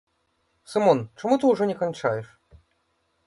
Сымон, чаму ты ўжо не канчаеш?